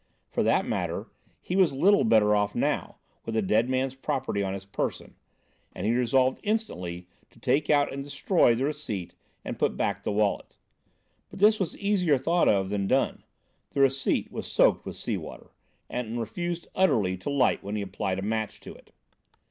For that matter, he was little better off now, with the dead man's property on his person, and he resolved instantly to take out and destroy the receipt and put back the wallet. But this was easier thought of than done. The receipt was soaked with sea water, and refused utterly to light when he applied a match to it.